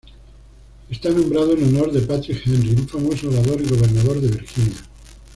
Está nombrado en honor de Patrick Henry, un famoso orador y Governador de Virginia.